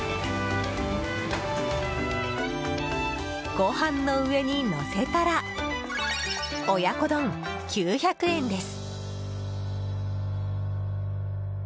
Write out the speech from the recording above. ご飯の上にのせたら親子丼、９００円です。